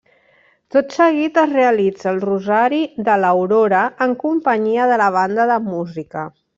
Tot seguit es realitza el Rosari de l’Aurora en companyia de la banda de música.